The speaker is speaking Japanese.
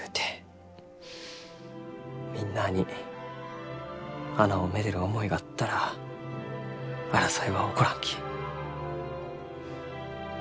みんなあに花をめでる思いがあったら争いは起こらんき。